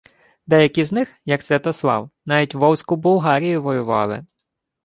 Деякі з них, як Святослав, навіть Волзьку Булгарію воювали